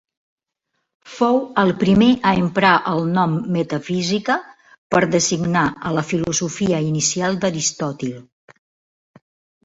Fou el primer a emprar el nom metafísica per designar a la filosofia inicial d'Aristòtil.